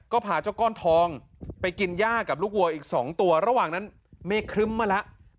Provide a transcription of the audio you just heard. ก็พาเจ้าก้อนทองไปกินย่ากับลูกวัวอีก๒ตัวระหว่างนั้นเมฆครึ้มมาแล้ว